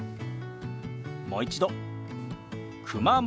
もう一度「熊本」。